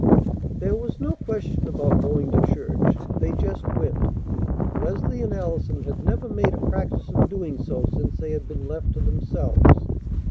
There was no question about going to church. They just went. Leslie and Allison had never made a practice of doing so since they had been left to themselves.